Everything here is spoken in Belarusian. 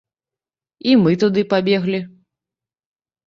І мы туды пабеглі.